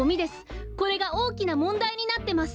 これがおおきなもんだいになってます。